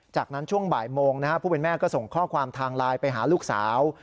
จากนั้นช่วงบ่ายโมงผู้เป็นแม่ก็ส่งข้อความทางไลน์ไปหาลูกสาว